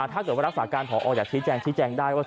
ถ้าเกิดว่ารักษาการพออยากชี้แจงชี้แจงได้ว่า